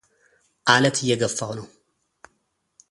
አለት እየገፋሁ ነው፡፡